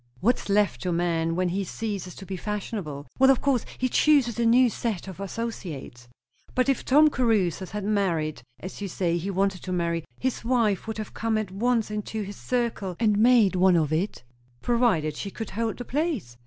"What's left to a man when he ceases to be fashionable?" "Well, of course he chooses a new set of associates." "But if Tom Caruthers had married as you say he wanted to marry, his wife would have come at once into his circle, and made one of it?" "Provided she could hold the place."